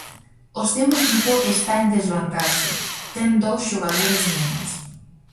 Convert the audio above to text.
O seu equipo está en desvantaxe, ten dous xogadores menos.